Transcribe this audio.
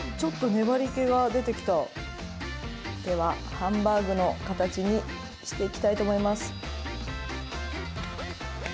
ではハンバーグの形にしていきたいと思います。